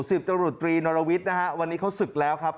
ศิษย์ดินฤษธรีนอรวิทวันนี้เขาศึกแล้วครับ